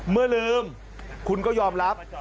เมื่อลืมคุณก็ยอมรับ